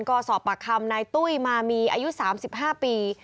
ก็สอบปากคำนายตุ้ยมามีอายุ๓๕ปี